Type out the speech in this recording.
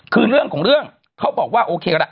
คือเรื่องของเรื่องเขาบอกว่าโอเคละ